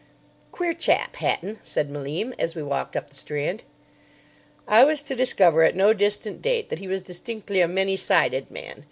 "Queer chap, Hatton," said Malim as we walked up the Strand. I was to discover at no distant date that he was distinctly a many sided man.